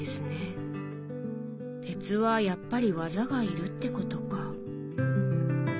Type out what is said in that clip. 鉄はやっぱり技がいるってことか。